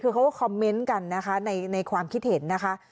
คือเขาก็คอมเมนต์กันนะคะในความคิดเห็นนะคะ